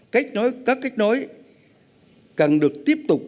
các kết nối cần được tiếp tục